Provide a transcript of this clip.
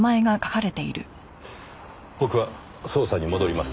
僕は捜査に戻ります。